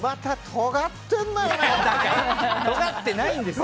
とがってないです。